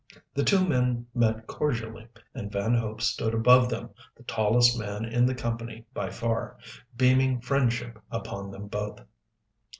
The two men met cordially, and Van Hope stood above them, the tallest man in the company by far, beaming friendship upon them both.